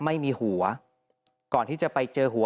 ไม่มีหัวก่อนที่จะไปเจอหัว